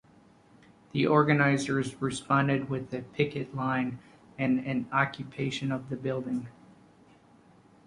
The organizers responded with a picket line and an occupation of the building.